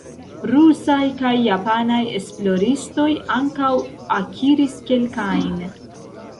Rusaj kaj japanaj esploristoj ankaŭ akiris kelkajn.